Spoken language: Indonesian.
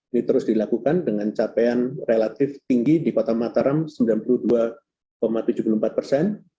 ini terus dilakukan dengan capaian relatif tinggi di kota mataram sembilan puluh dua tujuh puluh empat persen